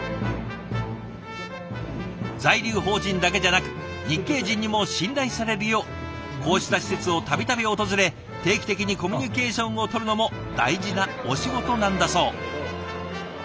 在留邦人だけじゃなく日系人にも信頼されるようこうした施設を度々訪れ定期的にコミュニケーションをとるのも大事なお仕事なんだそう。